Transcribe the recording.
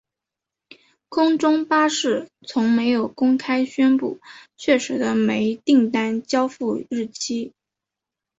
空中巴士从没有公开宣布确实的每一订单交付日期。